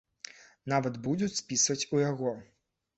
Наадварот, будуць спісваць у яго.